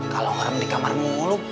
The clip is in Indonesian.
kalau orang di kamar mulu